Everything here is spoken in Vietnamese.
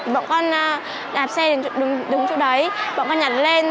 bọn con đạp xe đứng chỗ đấy bọn con nhặt lên